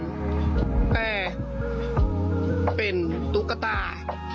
แต่เป็นตุ๊กตา